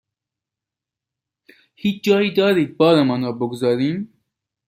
هیچ جایی دارید بارمان را بگذاریم؟